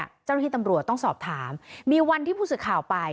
เจ้าหน้าที่ตำรวจต้องสอบถามมีวันที่ผู้สื่อข่าวไป